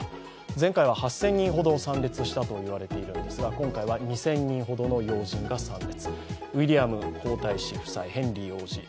前回は８０００人ほど参列したといわれているんですが、今回は２０００人ほどの要人が参列。